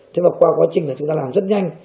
thế mà qua quá trình là chúng ta làm rất nhanh